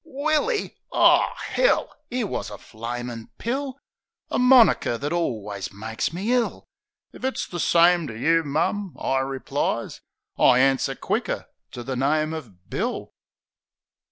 Willy ! O 'ell ! 'Ere wus a flamin' pill ! A moniker that alwus makes me ill. "If it's the same to you, mum," I replies "I answer quicker to the name of Bill."